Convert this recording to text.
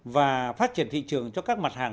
và phát triển thị trường cho các mặt hàng